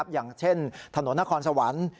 อย่างเช่นถนนนครสวรรค์